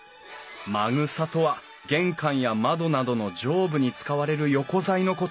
まぐさとは玄関や窓などの上部に使われる横材のこと。